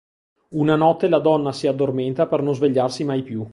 Una notte la donna si addormenta per non svegliarsi mai più.